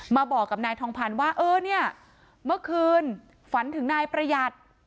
มาบอกกับนายทองพันธ์ว่าเออเนี่ยเมื่อคืนฝันถึงนายประหยัด